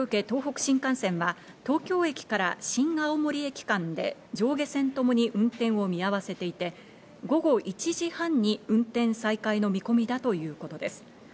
東北新幹線は東京駅から新青森駅間で上下線ともに運転を見合わせていて、午後１時半に運転再開の見込みだということです。